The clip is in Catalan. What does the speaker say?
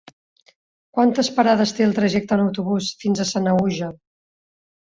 Quantes parades té el trajecte en autobús fins a Sanaüja?